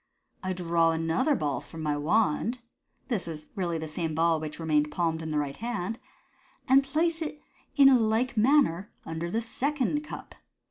"I draw another ball from my wand " (this is really the same ball, which remained palmed in the right hand), " and place it in like manner under the second cup."